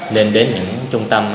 nên đến những trung tâm